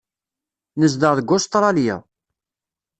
Nezdeɣ deg Ustṛalya.